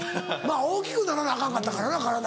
大きくならなアカンかったからな体。